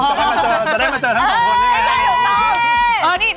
จะได้มาเจอทั้ง๒คนด้วย